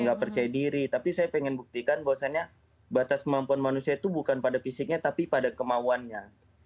nggak percaya diri tapi saya ingin buktikan bahwasannya batas kemampuan manusia itu bukan pada fisiknya tapi pada kemauannya